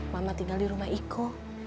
mama tinggal di rumah iko